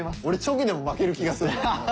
俺チョキでも負ける気がする。